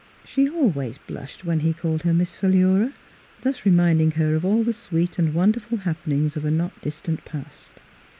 She always blushed when he called her Miss Philura, thus reminding her of all the sweet and wonderful happenings of a not distant past.